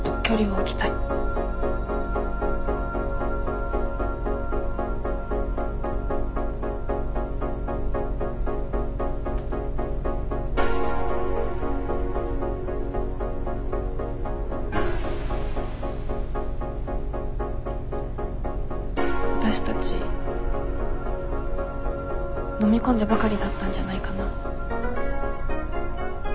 わたしたち飲み込んでばかりだったんじゃないかな。